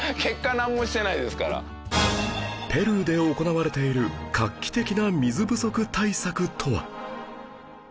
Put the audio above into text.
ペルーで行われている画期的な水不足対策とは？